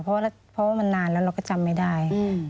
เพราะว่ามันนานแล้วเราก็จำไม่ได้